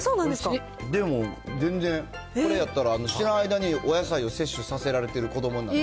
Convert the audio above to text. でも全然、これやったら、知らん間にお野菜を摂取させられてる子どもになる。